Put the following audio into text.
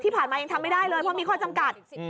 ที่ผ่านมายังทำไม่ได้เลยเพราะมีข้อจำกัด